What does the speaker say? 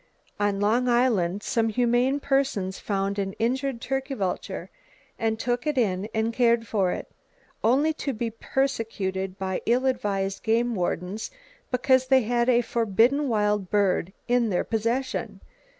On Long Island some humane persons found an injured turkey vulture, and took it in and cared for it,—only to be persecuted by ill advised game wardens, because they had a forbidden wild bird "in their possession!"